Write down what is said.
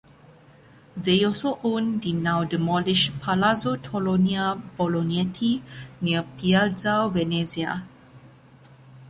They also owned the now demolished Palazzo Torlonia-Bolognetti near Piazza Venezia.